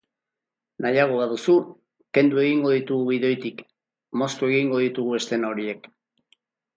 Nahiago baduzu, kendu egingo ditugu gidoitik, moztu egingo ditugu eszena horiek.